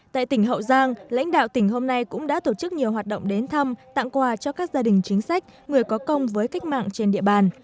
tại tỉnh hậu giang lãnh đạo tỉnh hôm nay cũng đã tổ chức nhiều hoạt động đến thăm tặng quà cho các gia đình chính sách người có công với cách mạng trên địa bàn